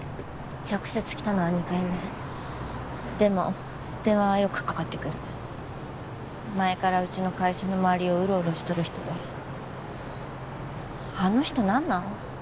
直接来たのは２回目でも電話はよくかかってくる前からうちの会社の周りをウロウロしとる人であの人何なん？